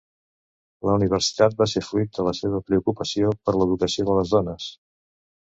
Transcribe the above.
La universitat va ser fruit de la seva preocupació per l'educació de les dones.